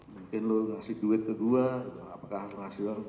mungkin lo ngasih duit ke dua apakah hasilnya